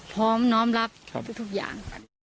พร้อมน้อมรับทุกอย่าง